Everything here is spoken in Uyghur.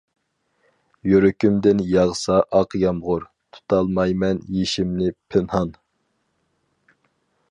يۈرىكىمدىن ياغسا ئاق يامغۇر، تۇتالمايمەن يېشىمنى پىنھان.